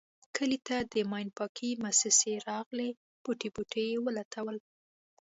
کلي ته د ماین پاکی موسیسه راغلې بوټی بوټی یې و لټولو.